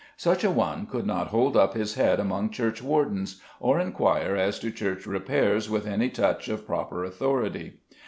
Such a one could not hold up his head among churchwardens, or inquire as to church repairs with any touch of proper authority.